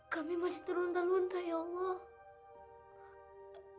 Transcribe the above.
kami masih terluntar luntar ya allah